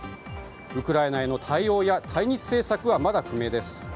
ウクライナへの対応や対日政策はまだ不明です。